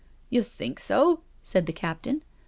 "You think so ?" said the Captain.